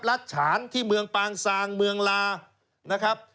ฉานที่เมืองปางซางเมืองลานะครับ